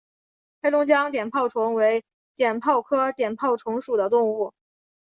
黑龙江碘泡虫为碘泡科碘泡虫属的动物。